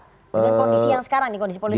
kondisi yang sekarang kondisi politik yang sekarang